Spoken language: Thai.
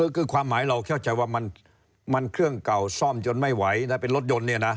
คือความหมายเราเข้าใจว่ามันเครื่องเก่าซ่อมจนไม่ไหวนะเป็นรถยนต์เนี่ยนะ